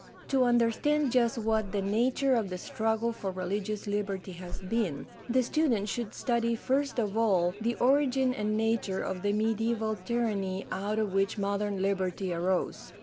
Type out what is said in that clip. To understand just what the nature of the struggle for religious liberty has been, the student should study first of all the origin and nature of the mediaeval tyranny out of which modern liberty arose.